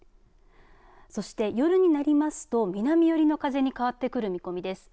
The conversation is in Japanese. そして、夜になりますと南寄りの風に変わってくる見込みです。